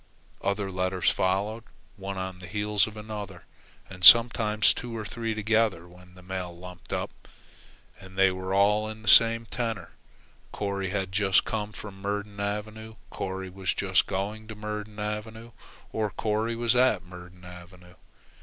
Other letters followed, one on the heels of another, and sometimes two or three together when the mail lumped up. And they were all in the same tenor. Corry had just come from Myrdon Avenue; Corry was just going to Myrdon Avenue; or Corry was at Myrdon Avenue.